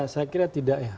saya kira tidak ya